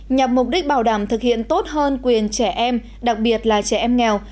nhằm mục đích bảo đảm thực hiện tốt hơn quyền trẻ em đặc biệt là trẻ em nghèo